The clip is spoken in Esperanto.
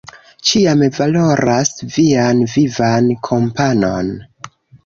Ĉiam valoras vian vivan kompanon.